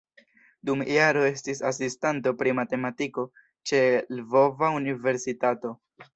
Dum jaro estis asistanto pri matematiko ĉe Lvova Universitato.